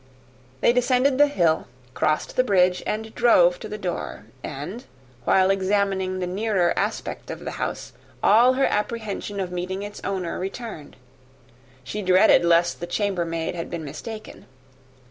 They descended the hill, crossed the bridge, and drove to the door; and, while examining the nearer aspect of the house, all her apprehension of meeting its owner returned. She dreaded lest the chambermaid had been mistaken.